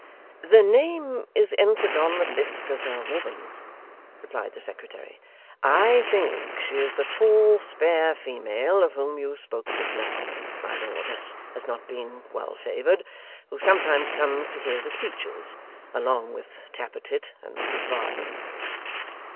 'The name is entered on the list as a woman,' replied the secretary. 'I think she is the tall spare female of whom you spoke just now, my lord, as not being well favoured, who sometimes comes to hear the speeches along with Tappertit and Mrs Varden.